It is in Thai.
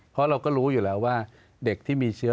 เพราะเราก็รู้อยู่แล้วว่าเด็กที่มีเชื้อ